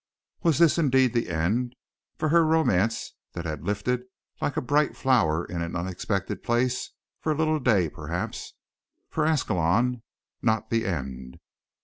Was this, indeed, the end? For her romance that had lifted like a bright flower in an unexpected place for a little day, perhaps; for Ascalon, not the end.